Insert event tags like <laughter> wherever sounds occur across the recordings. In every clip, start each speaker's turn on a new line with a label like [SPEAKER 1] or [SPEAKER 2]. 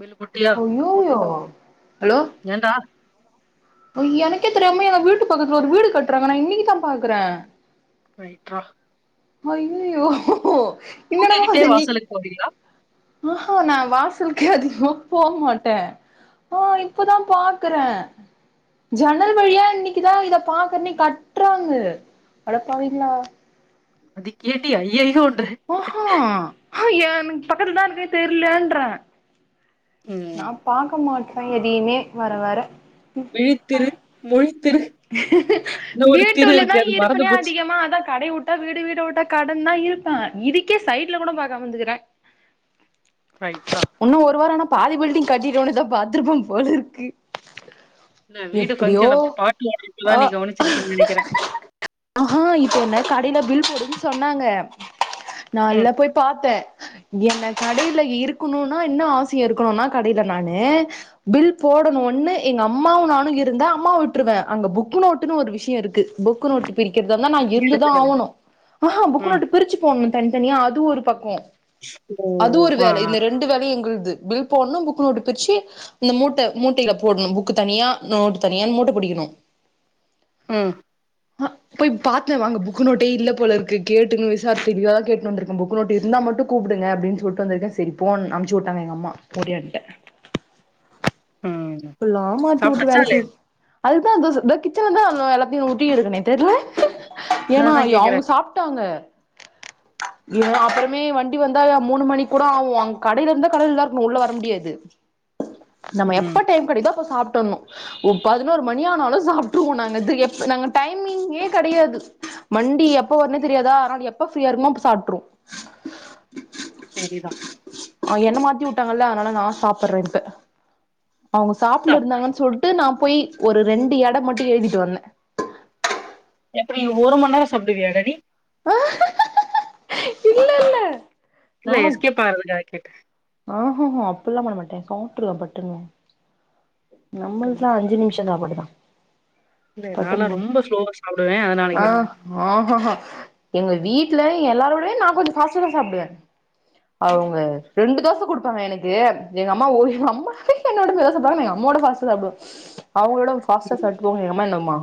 [SPEAKER 1] bill போட்
[SPEAKER 2] அய்யய்யோ
[SPEAKER 1] ஏன்டா
[SPEAKER 2] எனக்கே தெரியாம என் வீட்டு பக்கத்துல ஒரு வீடு கட்றாங்க நா இன்னிக்கி தா பாக்குற
[SPEAKER 1] ரைட்ரா
[SPEAKER 2] ஐய்யிய்யோ
[SPEAKER 1] தூங்கிக்கிட்டே வாசலுக்கு போறீங்ளா
[SPEAKER 2] ம் ம் நா வாசலுக்கே அதிகமா போ மாட்ட நா இப்பதா பாக்குற ஜன்னல் வழியா இன்னிக்குதா இத பாக்குறனே கட்றாங்க அடப்பாவீங்ளா
[SPEAKER 1] அதுக்கு ஏன் டி ஐய்யய்யோன்ற
[SPEAKER 2] ஓ ஓ அ என் பக்கத்ல தா இருக்க தெர்லன்ற
[SPEAKER 1] ம்
[SPEAKER 2] நா பாக்க மாட்றே எதையுமே வர வர
[SPEAKER 1] விழித்திரு முழித்திரு
[SPEAKER 2] வீட்டுள்ளதா
[SPEAKER 1] மறந்து
[SPEAKER 2] இருப்பேனே
[SPEAKER 1] போச்சு
[SPEAKER 2] அதிகமா அதா கடை உட் ட்டா வீடு வீடு உட்டா கடன் தா இருக்க இதுக்கே சைட்ல கூட பாக்காமந்துக்குற
[SPEAKER 1] ரைட்ரா
[SPEAKER 2] இன்னும் ஒரு வாரம் ஆனா பாதி பில்டிங் கட்டிட்ட ஒன்னே தா பாத்துருப்பன் போல இருக்கு
[SPEAKER 1] இல்ல வீடு
[SPEAKER 2] எப்டியோ
[SPEAKER 1] பங்க்ஷன் அப்ப பாட்டி <inaudible> நீ கவனிச்சிருப்ப நெனைக்கிற
[SPEAKER 2] அ ஆ இப்ப என்ன கடையில பில் போடுன் சொன்னாங்க நா
[SPEAKER 1] ம்
[SPEAKER 2] நல்லா போய் பாத்த என்ன கடைல இருக்கணுனா இன்னும் ஆசைய இருக்கணுனா கடைல நானு பில் போடணு ஒன்னே எங்க அம்மாவும் நானும் இருந்தா அம்மாவ உட்ருவ அங்க புக்கு நோட்டுன்னு ஒரு விஷ்யோ இருக்கு புக்கு நோட்டு பிரிக்கிறதெல்லா நா இருந்துதா
[SPEAKER 1] எழுத்துறது
[SPEAKER 2] ஆவுனோ
[SPEAKER 1] ம்
[SPEAKER 2] போன்னும் தனித்தனியா அது ஒரு பக்கம்
[SPEAKER 1] ஓ
[SPEAKER 2] அது ஒரு
[SPEAKER 1] ஆ
[SPEAKER 2] வேல
[SPEAKER 1] ஆ
[SPEAKER 2] இந்த ரெண்டு வேல எங்குள்து பில் போன்னோ புக் நோட்டு பிர்ச்சி இந்த மூட்ட மூட்டைல போட்ணு புக்கு தனியா நோட்டு தனியான் மூட்ட புடிக்கணு
[SPEAKER 1] ம்
[SPEAKER 2] அ போய் பாத்தே வாங்க புக்கு நோட்டே இல்ல போல இருக்கு கேட்டுனு விசாரிச்சிதா கேட்னு வந்திருக்க புக் நோட்டு இருந்தா மட்டு கூப்டுங்க அப்டின் சொல்ட்டு வந்துருக சரி போனு அம்ச்சி உட்டாங்க எங்கம்மா போடின்ட்டு
[SPEAKER 1] ம்
[SPEAKER 2] இப்பில்லா மாத்தி உட்டு
[SPEAKER 1] சாப்ட்டாச்சா
[SPEAKER 2] வேல செய்
[SPEAKER 1] இல்லயா
[SPEAKER 2] அதுதா தோ இந்த கிச்சன்ல தா எல்லாத்தியும் ஒட்டியே இருக்குமே தெர்ல ஏன்னா
[SPEAKER 1] அததா கேக்குறே
[SPEAKER 2] அவங்க சாப் டாங்க ஏ அப்றமே வண்டி வந்தா மூணு மணி கூட ஆவும் அங்க கடைல இருந்தா கடையில தா இருக்கணும் உள்ள வர முடியாது நம்ம
[SPEAKER 1] ம்
[SPEAKER 2] எப்ப டைம் கெடைக்குதோ அப்ப சாப்ட்டுன்னோ ஒ பதினோரு மணி ஆனாலும் சாப்ட்ருவோ நாங்க இது எப் நாங்க டைமிங்கே கெடயாது வண்டி எப்ப வருனே தெரியாதா அதனால எப்ப ஃப்ரீயா இருக்குமோ அப்ப சாப்ட்ருவோ
[SPEAKER 1] செரிதா
[SPEAKER 2] அவுங்க என்ன மாத்தி உட்டாங்கல்ல அதனால நா சாப்புறன் இப்ப அவங்க
[SPEAKER 1] சா
[SPEAKER 2] சாப்ட்டு இருந்தாங்கன்னு சொல்லிட்டு நா போய் ஒரு ரெண்டு எட மட்டு எழுதிட்டு வந்தே
[SPEAKER 1] எப்படி ஒரு மணி நேர சாப்புடுவியாட நீ
[SPEAKER 2] இல்ல இல்ல
[SPEAKER 1] இல்ல எஸ்கேப் ஆகுறதுகாக்க கேட்ட
[SPEAKER 2] ஆஹாஹா அப்பல்லா பண்ணமாட்டே சாப்ட்ருவ பட்டுனு நம்மல்துலா அஞ்சி நிமிஷ சாப்பாடுதா
[SPEAKER 1] இல்ல
[SPEAKER 2] பட்டுன்னு
[SPEAKER 1] நாலா ரொம்ப ஸ்லோவா சாப்டுவே அதனால கேட்டே
[SPEAKER 2] ஆஹா ஹா எங்க வீட்ல எல்லாரோடய நா கொஞ்ச பாஸ்டதா சாப்டுவ அவங்க ரெண்டு தோச குடுப்பாங்க எனக்கு எங்க அம்மா ஒரு அம்மாவ என்னோட மெதுவா சாப்டுவாங்க எங்க அம்மாவோட பாஸ்டா சாப்டுவ அவங்களோட பாஸ்ட்டா சா மா என்னமா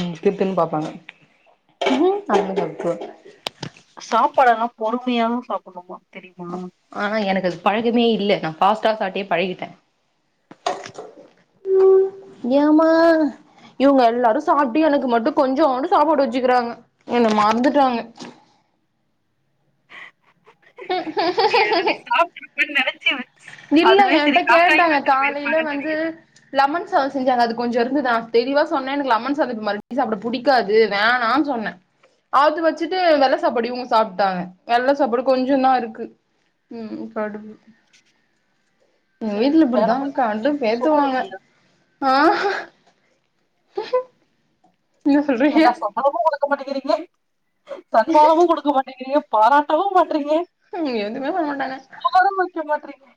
[SPEAKER 2] ம் திருத்துன்னு பாப்பாங்க <unintelligible>
[SPEAKER 1] சாப்பாடெல்லா பொறுமையாவு சாப்டுனுமா தெரியுமா
[SPEAKER 2] ஆனா எனக்கு அது பழக்கமே இல்ல நா பாஸ்ட்டா சாப்டே பழகிட்டே ம் ஏமா இவங்க எல்லாரு சாப்ட்டு எனக்கு மட்டு கொஞ்சோண்டு சாப்பாடு வச்சுக்குறாங்க என்ன மறந்துட்டாங்க
[SPEAKER 1] நீ ஆல்ரெடி சாப்ட்ருப்பனு நெனச்ச
[SPEAKER 2] இல்ல என்கிட்ட கேட்டாங்க காலையில
[SPEAKER 1] போயிருப்பாங்கன்னு
[SPEAKER 2] வந்து
[SPEAKER 1] நெனைக்கிறே
[SPEAKER 2] லமன் சாத செஞ்சாங்க அது கொஜ்ச இருந்துதா தெளிவா சொன்னே எனக்கு லமன் சாத மறுபடியு சாப்ட புடிக் காது வேணான் சொன்னே அது வச்சுட்டு வெள்ள சாப்பாடு இங்க சாப்ட்டாங்க வெள்ள சாப்பாடு கொஞ்சந்தா இருக்கு ம் கடும் எங்க
[SPEAKER 1] ச்சே
[SPEAKER 2] வீட்ல
[SPEAKER 1] வேல
[SPEAKER 2] இப்படிதா
[SPEAKER 1] பாக்க
[SPEAKER 2] கண்டு
[SPEAKER 1] சோறு
[SPEAKER 2] ஏத்துவாங்க
[SPEAKER 1] இல்லையா
[SPEAKER 2] ஆ என்ன சொல்றீங்க
[SPEAKER 1] ஏண்டா சம்பளமு குடுக்க மாட்டேங்கிறீங்க தன்மானமு குடுக்க மாட்டேங்கிறீங்க பாராட்டவு மாட்றீங்க
[SPEAKER 2] ம் எதுவுமே பண்ண மாட்டான
[SPEAKER 1] அப்ப கூட முளிக்க மாட்றீங்கலே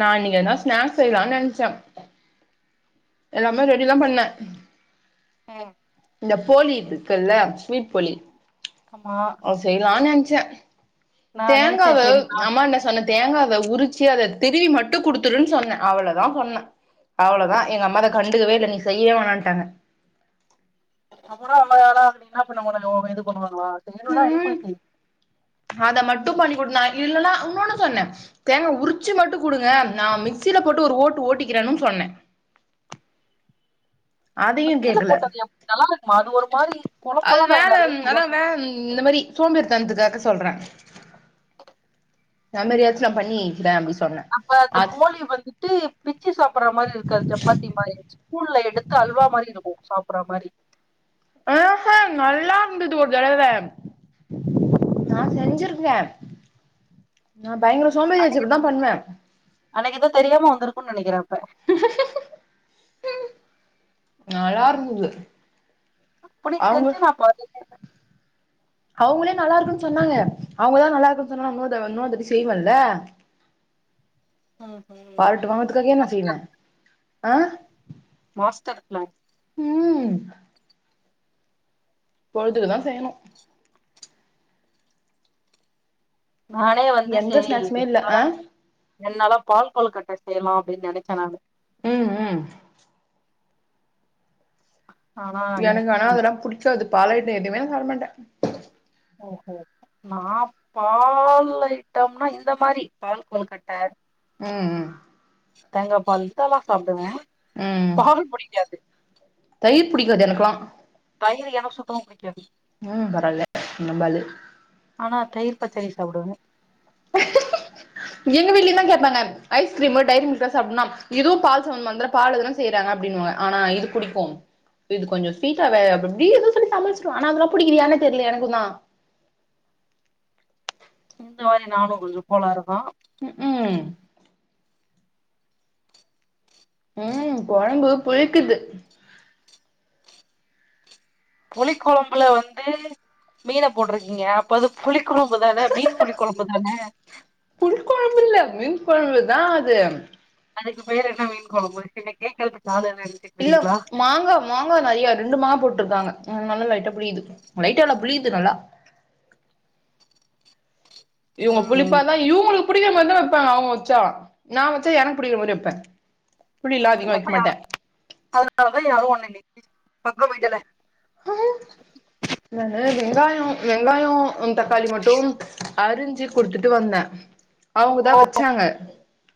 [SPEAKER 2] நா இன்னிக்கு எதுனா ஸ்நாக்ஸ் செய்யலானு நெனச்ச எல்லாமே ரெடி தா பண்ணே
[SPEAKER 1] ஆ
[SPEAKER 2] இந்த போலி இருக்குல்ல ஸ்வீட் போலி
[SPEAKER 1] ஆமா
[SPEAKER 2] இப்ப செயலான்னு நெனச்சே
[SPEAKER 1] நா நெனச்சே
[SPEAKER 2] தேங்காவ
[SPEAKER 1] சரிக்கா
[SPEAKER 2] அம்மா என்ன சொன்ன தேங்காவ உரிச்சி அத திருவி மட்டு குடுத்துடுன்னு சொன்னே அவ்ளதா சொன்னே அவ்வளதா எங்கம்மா அத கண்டுவே இல்ல நீ செய்யே வேணான்ட்டாங்க
[SPEAKER 1] அப்பறோ <unintelligible> இது பண்ணுவகளா
[SPEAKER 2] ம்
[SPEAKER 1] <unintelligible>
[SPEAKER 2] அத மட்டு பண்ணி குடு நா இல்லனா இன்னொன்னு சொன்ன தேங்க உரிச்சு மட்டு குடுங்க நான மிக்சியில போட்டு ஒரு ஓட்டு ஓட்டிக்கிறேம்ன்னு சொன்ன அதயு
[SPEAKER 1] மிக்ஸில
[SPEAKER 2] கேக்கல
[SPEAKER 1] போட்டது எப் நல்லா இருக்குமா அது ஒரு மாரி கொழ
[SPEAKER 2] அது
[SPEAKER 1] கொழன்னு
[SPEAKER 2] வேல
[SPEAKER 1] ஆயிடாது
[SPEAKER 2] ம்
[SPEAKER 1] சுட
[SPEAKER 2] அதா
[SPEAKER 1] சு
[SPEAKER 2] வே ம் இந்த மாரி சோம்பிதனத்துக்காக சொல்ற நம்மறியாச்சு நா பண்ணி வக்கிறே அப்டி சொன்ன
[SPEAKER 1] அப்ப அந்த போலி வந்துட்டு பிச்சி சாப்ற மாரி இருக்காது சப்பாத்தி மாரி ஸ்பூன்ல எடுத்து அல்வா மாரி இருக்கு சாப்புறா மாரி
[SPEAKER 2] அஹா நல்லா இருந்தது ஒரு தடவ நா செஞ்சிருக்கே நா பயங்கர சோம்பேறி ஆச்சு இப்டிதா பண்ணுவ
[SPEAKER 1] ஆனா ஏதோ தெரியாம வந்திருக்கும்னு நினக்கிற அப்ப
[SPEAKER 2] நல்லா இருந்தது
[SPEAKER 1] அப்டி
[SPEAKER 2] அவுங்க
[SPEAKER 1] செஞ்சு நா பாத்தே
[SPEAKER 2] அவுங்களே நல்லா இருக்குன்னு சொன்னாங்க அவுங்கதா நல்லா இருக்குன்னு சொன்னா நா இன்னோருதடவ இன்னொரு தாட்டி செய்வேல்ல
[SPEAKER 1] ம் ம்
[SPEAKER 2] பாராட்டு வாங்குரதுக்காகயே நா செய்வே
[SPEAKER 1] மாஸ்டர்
[SPEAKER 2] அ
[SPEAKER 1] மாஸ்டர் பிளான்
[SPEAKER 2] உம் பொழுதுக்கு தா செய்யிணு
[SPEAKER 1] நானே வந்து
[SPEAKER 2] எந்த
[SPEAKER 1] சரி
[SPEAKER 2] ஸ்நாக்ஸுமே
[SPEAKER 1] ரெண்
[SPEAKER 2] இல்ல
[SPEAKER 1] நாளா
[SPEAKER 2] ஆ
[SPEAKER 1] ரெண் நாளா பால் கொலுகட்ட செய்லா அப்டின்னு நினச்ச நானு
[SPEAKER 2] உம் உம்
[SPEAKER 1] ஆனா
[SPEAKER 2] எனக்கு ஆனா
[SPEAKER 1] கொஞ்சோ
[SPEAKER 2] அதெல்லா புடிக்காது பால் ஐட்டம் எதுமே நா சாப்ட மாட்டே
[SPEAKER 1] ஓ ஓ நா பா பால் ஐட்டம்னா இந்த மாறி பால் கொலுக்கட்ட
[SPEAKER 2] உம் ம்
[SPEAKER 1] தேங்காப்பால் எடுத்தாதா சாப்ட்டுவே
[SPEAKER 2] ம்
[SPEAKER 1] பால் புடிக்காது
[SPEAKER 2] தயிர் புடிக்காது எனக்குல்லா
[SPEAKER 1] தயிர் எனக்கு சுத்தமா பிடிக்காது
[SPEAKER 2] உம் பரவால்ல நம்பாளு
[SPEAKER 1] ஆனா தயிர் பச்சடி சாப்புடுவே
[SPEAKER 2] எங்க விட்லையு தா கேப்பாங்க ஐஸ்கிரீமு டைரி மில்க்லா சாப்புன்னுன்னா இதுவு பால் சம்மத்தமானதுல்ல பால்லதான செய்றாங்க அப்டின்னுவ ஆனா இது புடிக்கு இது கொஞ்சோ ஸ்வீட்டா வா அப்ப அப்டி ஏதோ சொல்லி சமாளிச்சுடுவே ஆனா அதுல்லா புடிக்குது ஏன்னே தெரில எனக்கு தா
[SPEAKER 1] இந்த மாறி நானு கொஞ்சோ கோளாறுதா
[SPEAKER 2] ம் உம் உம் கொழம்பு புளிக்குது
[SPEAKER 1] புளி கொழம்புல வந்து மீன போட்டிருக்கீங்க இப்ப அது புளி கொழம்பு தானே மீன் புளி கொழம்பு தானே
[SPEAKER 2] புளி கொழம்பு இல்ல மீன் கொழம்புதா அது
[SPEAKER 1] அதுக்கு பேர் என்ன மீன் கொளம்பு என்ன கேக்கறதுக்கு ஆள் இல்லடி
[SPEAKER 2] இல்ல மாங்கா மாங்கா நெறயா ரெண்டு மாங்கா போட்டிருக்காங்க அன்னால லைட்டா புளியுது லைட்டால்ல புளியுது நல்லா இவங்க
[SPEAKER 1] ம்
[SPEAKER 2] புளிப்பாதா இவுங்களுக்கு புடிக்கிற மாறி தா வெப்பாங்க அவங்க வச்சா நா வச்சா எனக்கு புடிக்கிற மாறி வெப்பே புளிலா அதிகமா
[SPEAKER 1] அதனால
[SPEAKER 2] வெக்க
[SPEAKER 1] தா
[SPEAKER 2] மாட்டே
[SPEAKER 1] <unintelligible> அதனாலதா யாரும் ஒண்ணு இல்ல பக்கோ போயிட்டல
[SPEAKER 2] ஆ என்னாது வெங்காயோ வெங்காயோ தக்காளி மட்டும் அரிஞ்சு குடுத்துட்டு வந்த
[SPEAKER 1] இப்போ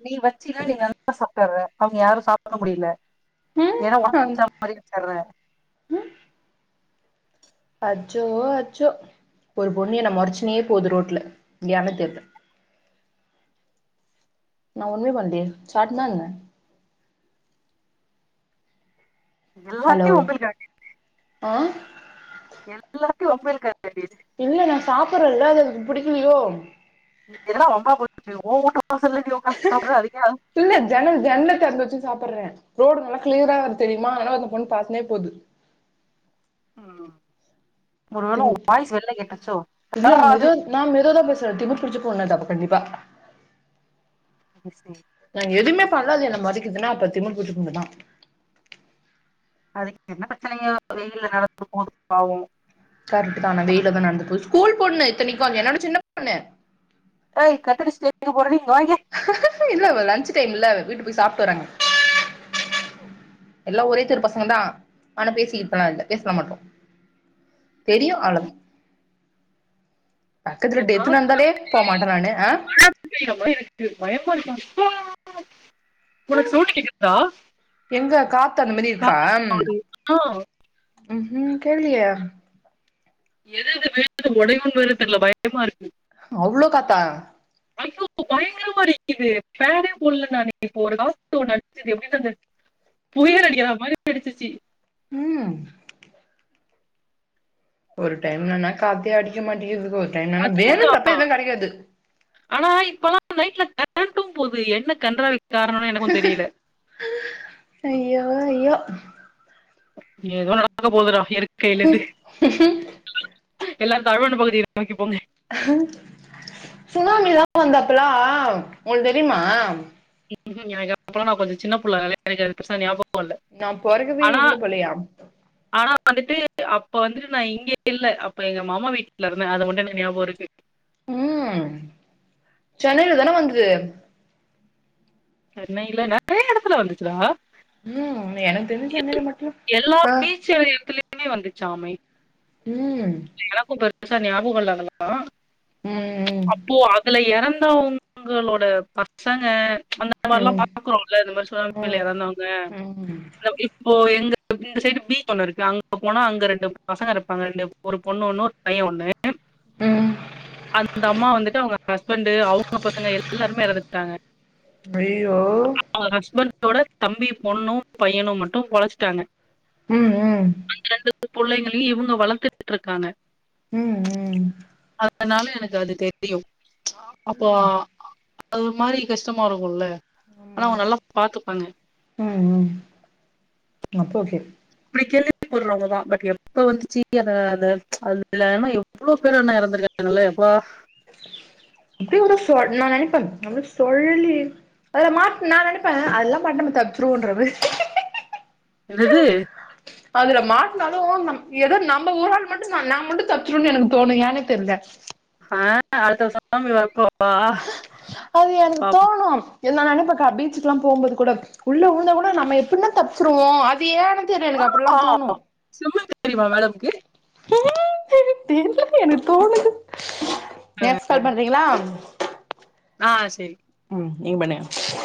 [SPEAKER 1] நீ வச்சியில்ல நீ நல்லா சாப்டு வர அவுங்க யாரு சாப்புட முடியல
[SPEAKER 2] ம்
[SPEAKER 1] ஏன்னா
[SPEAKER 2] அ
[SPEAKER 1] உனக்கு <unintelligible>
[SPEAKER 2] அச்சோ அச்சோ ஒரு பொண்ணு என்ன மொறச்சினே போது ரோட்ல ஏன்னே தெர்ல நா ஒண்ணுமே பண்ணலயே சாப்டுதா இருந்த
[SPEAKER 1] எல்லாத்தயு வம்பிழுக்காத
[SPEAKER 2] அ
[SPEAKER 1] எல்லாத்தியு வம்பிழுக்காத வேண்டியது
[SPEAKER 2] இல்ல நா சாப்புட்றேல்ல அது அவருக்கு புடிக்கலையோ
[SPEAKER 1] என்னடா வம்பா போச்சு உன் வுட்டு வாசல்ல நீ ஒக்காந்து சாப்புட்ற அதுக்கு ஏன்
[SPEAKER 2] இல்ல ஜன்னல் ஜன்னல்ல திறந்து வச்சு சாப்புட்றே ரோடு நல்லா கிளியரா வேற தெரியுமா அதனால அந்த பொண்ணு பாத்துன்னே போகுது
[SPEAKER 1] ம் ஒரு வேள
[SPEAKER 2] திமிர்
[SPEAKER 1] <inaudible> வாய்ஸ் வெள்ள கேட்டுர்ச்சோ
[SPEAKER 2] இல்ல
[SPEAKER 1] யார்ரா
[SPEAKER 2] நா
[SPEAKER 1] அது
[SPEAKER 2] மெதுவா நா மெதுவாத பேசுற திமுர் புடிச்ச பொண்ணு அது கண்டிப்பாக
[SPEAKER 1] மிஸ்டே
[SPEAKER 2] நா எதுமே பண்ல அது என்ன மொறைக்குதுன்னா அப்ப அது திமுர் புடிச்ச பொண்ணு தா
[SPEAKER 1] அதுக்கு என்ன பிரச்சனையோ வெயில்ல நடந்து போது பாவோ
[SPEAKER 2] கரெக்ட் தா அன வெயில்ல தா நடந்து போது ஸ்கூல் பொண்ணு இத்தனைக்கு அது என்னோட சின்ன பொண்ணு
[SPEAKER 1] ஏய் கட்டடிச்சிட்டு எங்க போற நீ இங்க வா இங்க
[SPEAKER 2] இல்ல லஞ்ச் டைம் இல்ல வீட்டு போய் சாப்ட்டு வராங்க
[SPEAKER 1] ம்கு
[SPEAKER 2] எல்லா ஒரே தெரு பசங்க தா ஆனா பேசியிப்பலா இல்ல பேசலா மாட்டோ தெரியு அவ்ள பக்கத்துல
[SPEAKER 1] இந்த
[SPEAKER 2] டெத் நடந்தாலே போ மாட்ட நானு ஆ
[SPEAKER 1] இல்லையம்மா எனக்கு பயமா இருக்கா உனக்கு சவுண்டு கேக்குதா
[SPEAKER 2] எங்க காத்து அந்த மாரி
[SPEAKER 1] காத்து <inaudible> ஆ
[SPEAKER 2] ம்ஹு கேக்லியே
[SPEAKER 1] எது எது வீட்ல ஒடையுமோனு வேற தெர்ல பயமா இருக்கு
[SPEAKER 2] அவ்ளோ காத்தா
[SPEAKER 1] ஐயோ பயங்கரமா அடிக்குது ஃபேனே போட்ல நானு இப்ப ஒரு காத்து ஒன்னு <inaudible> <inaudible> புயல் அடிக்கிற மாரி அடிச்சிச்சி
[SPEAKER 2] ம் ஒரு டைம்லன்னா காத்தே அடிக்க மாட்டிக்குது <unintelligible>
[SPEAKER 1] அதேதா ஆனா இப்பல்லா நைட்ல கரண்ட்டு போது என்ன கன்றாவி காரணனு எனக்கூ தெரில
[SPEAKER 2] ஐயோ ஐயோ
[SPEAKER 1] ஏதோ நடக்க போதுடா இயற்கையில இருந்து எல்லாரு தாழ்வான பகுதிய நோக்கி போங்க
[SPEAKER 2] சுனாமிலா வந்தாப்பலா உங்களுக்கு தெரிமா
[SPEAKER 1] ம்ஹு எனக்கு அப்போலா நா கொஞ்ச சின்ன புள்ள <inaudible> எனக்கு அது பெருசா ஞாப கோல்ல
[SPEAKER 2] நா பொறக்கவே
[SPEAKER 1] ஆனா
[SPEAKER 2] இல்ல போலயா
[SPEAKER 1] ஆனா வந்துட்டு அப்ப வந்துட்டு நா இங்க இல்ல அப்ப எங்க மாமா வீட்ல இருந்த அது மட்டு எனக்கு ஞாபகோ இருக்கு
[SPEAKER 2] ம் சென்னையில தான வந்துது
[SPEAKER 1] சென்னைல நெறைய எடத்துல வந்துச்சுடா
[SPEAKER 2] ம் எனக்கு தெரிஞ்சு சென்னைல மட்டுதா அ
[SPEAKER 1] <unintelligible> மே வந்துச்சாமே
[SPEAKER 2] ம்
[SPEAKER 1] எனக்கும் பெருசா ஞாபக இல்ல அதெல்லா
[SPEAKER 2] ம்
[SPEAKER 1] அப்போ அதுல எறந்தவங் களோட பசங்க அந் த மார்லா
[SPEAKER 2] ம்
[SPEAKER 1] பாக்குறோல்ல இந்த மாரி சுனாமி ல
[SPEAKER 2] ம்
[SPEAKER 1] எறந்தவங்க
[SPEAKER 2] ம்
[SPEAKER 1] இப்போ எங்க இந்த சைடு பீச் ஒண்ணு இருக்கு அங்க போனா அங்க ரெண்டு பசங்க இருப்பாங்க ரெண்டு ஒரு பொண்ணு ஒண்ணு பைய ஒண்ணு
[SPEAKER 2] ம்
[SPEAKER 1] அந்த அம்மா வந்துட்டு அவங்க ஹஸ்பண்ட்டு அவங்க பசங்க எல்லாருமே எறந்துட்டாங்க
[SPEAKER 2] அய்யோ
[SPEAKER 1] அவங்க ஹஸ்பண்டோட தம்பி பொண்ணு பையனு மட்டு பொழச்சுட்டாங்க
[SPEAKER 2] ம் ம்
[SPEAKER 1] ரெண்டு புள்ளைங்களையு இவுங்க வளத்துட்ருக்காங்க
[SPEAKER 2] ம் ம்
[SPEAKER 1] அதனால எனக்கு அது தெரியு அ அப்போ அது ஒரு மாரி கஷ்டமா இருக்குல்ல ஆனா
[SPEAKER 2] ஆமா
[SPEAKER 1] அவுங்க நல்லா பாத்துப்பாங்க
[SPEAKER 2] ம் ம் இப் ஓகே
[SPEAKER 1] புடிக்கலடி ஊர்ளோவங்க தா பட் எப்ப வந்துச்சு அத அந்த அதுல எவ்ளோ பேர் ஆனா இறந்திருக்காங்கல எப்பா
[SPEAKER 2] இப்ப கூட சொ நா நெனைப்ப நம்ம சொழலி அதுல மாட்ட நா நனைப்பே அதல்லா மாட்னா நம்ம தப்ச்சிருவோன்ற மாரி
[SPEAKER 1] என்னது
[SPEAKER 2] அதுல மாட்டினாலு நம் ஏதோ நம்ப ஒரு ஆள் மட்டு நா நா மட்டு தப்ச்சிருவோணு எனக்கு தோணு ஏனே தெர்ல
[SPEAKER 1] ஆ அடுத்த சுனாமி வரப்போ
[SPEAKER 2] அது எனக்கு தோணு எல்லா நெனைப்பக்கா பீச்சுக்குலா போம்போது கூட உள்ள விழுந்த கூட நம்ம எப்பின்னா தப்ச்சிருவோ அது ஏனு
[SPEAKER 1] ஆ வா ஸ்வ்மிங் தெரியுமா மேடம்க்கு
[SPEAKER 2] தெர்ல எனக்கு தோணுது நெக்ஸ்ட் கால் பண்றீங்ளா
[SPEAKER 1] ஆ செரி
[SPEAKER 2] ம் நீங்க பண்ணுக